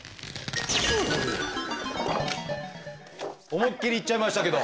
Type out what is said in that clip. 思いっきりいっちゃいましたけど。